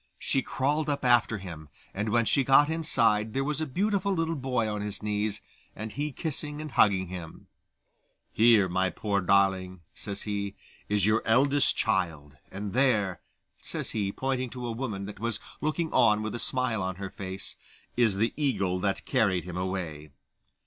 She crawled up after him, and when she got inside there was a beautiful little boy on his knees, and he kissing and hugging him. 'Here, my poor darling,' says he, 'is your eldest child, and there,' says he, pointing to a woman that was looking on with a smile on her face, 'is the eagle that carried him away.